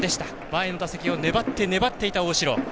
前の打席は粘って粘っていた大城。